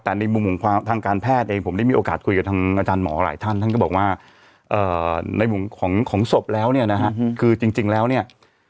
แต่ในมุมของทางการแพทย์เองผมได้มีโอกาสคุยกับทางอาจารย์หมอหลายท่านท่านก็บอกว่าในมุมของศพแล้วเนี่ยนะฮะคือจริงแล้วเนี่ย